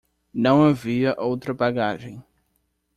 Não havia outra bagagem.